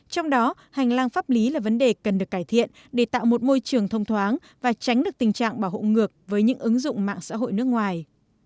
trong đó hành lang pháp lý là vấn đề cần được cải thiện để tạo một môi trường thông thoáng và tránh được tình trạng bảo hộ ngược với những ứng dụng mạng xã hội nước ngoài